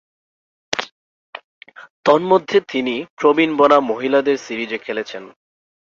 তন্মধ্যে তিনি প্রবীণ বনাম মহিলাদের সিরিজে খেলেছেন।